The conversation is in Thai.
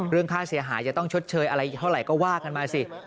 ค่าเสียหายจะต้องชดเชยอะไรเท่าไหร่ก็ว่ากันมาสิ